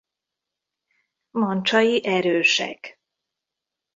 Mancsai erősek.